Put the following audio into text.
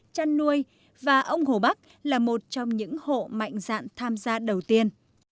chăn nuôi và ông hồ bắc là một trong những hộ mạnh dạn tham gia đầu tiên